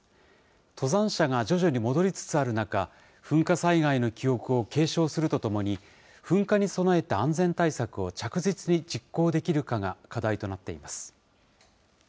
登山者が徐々に戻りつつある中、噴火災害の記憶を継承するとともに、噴火に備えた安全対策を着実に実行できるかが課題となっています。